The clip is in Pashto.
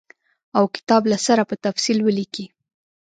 او کتاب له سره په تفصیل ولیکي.